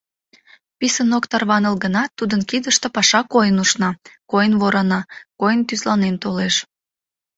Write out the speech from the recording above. Писын ок тарваныл гынат, тудын кидыште паша койын ушна, койын ворана, койын тӱзланен толеш.